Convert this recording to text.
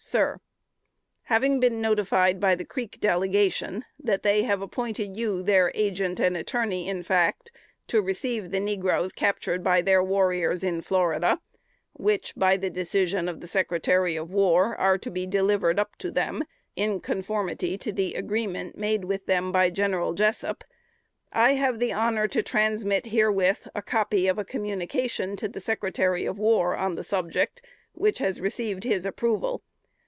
"SIR: Having been notified by the Creek Delegation that they have appointed you their agent and attorney in fact, to receive the negroes captured by their warriors in Florida, which, by the decision of the Secretary of War, are to be delivered up to them, in conformity to the agreement made with them by General Jessup, I have the honor to transmit herewith the copy of a communication to the Secretary of War on the subject, which has received his approval.